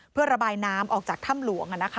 เพื่อระบายน้ำออกจากถ้ำหลวง